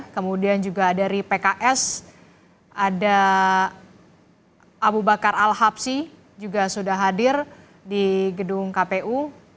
kemudian juga dari pks ada abu bakar al habsi juga sudah hadir di gedung kpu